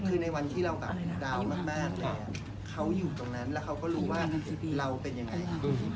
คือในวันที่เราแบบดาวน์มากเลยเขาอยู่ตรงนั้นแล้วเขาก็รู้ว่าเราเป็นยังไง